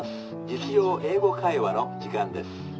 『実用英語会話』の時間です。